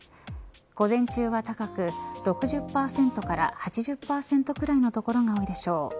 午前中は高く６０％から８０％くらいの所が多いでしょう。